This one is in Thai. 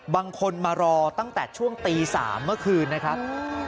บางคนมารอตั้งแต่ช่วงตี๓เมื่อคืนนะครับ